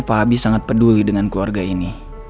pak habi sangat peduli dengan keluarga ini